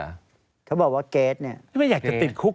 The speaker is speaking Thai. พอแล้วถ้าปีทปีทจะติดคุก